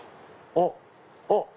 あっ！